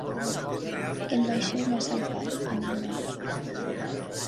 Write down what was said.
El vaixell ha salpat, amic meu.